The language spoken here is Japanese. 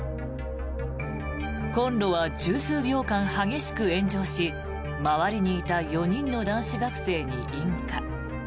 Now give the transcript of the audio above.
コンロは１０数秒間激しく炎上し周りにいた４人の男子学生に引火。